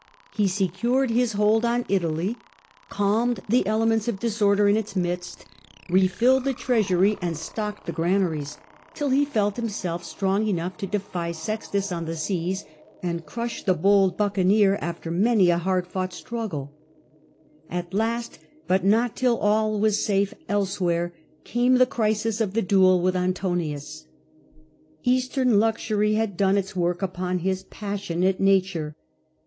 He secured his hold on Italy, calmed the elements of disorder in its midst, n.c. 44 31. Introduction. 5 refilled the treasury and stocked the granaries, till he felt himself strong enough to defy Sextus on the seas and crush the bold buccaneer after many a hard fought struggle. At last, but not till all was safe elsewhere, came the crisis of the duel with Antonius. Eastern luxury had done its work upon his passionate nature.